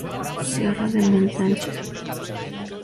Sierra de Montánchez".